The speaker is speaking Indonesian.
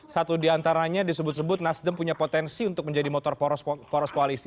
satu diantaranya disebut sebut nasdem punya potensi untuk menjadi motor poros koalisi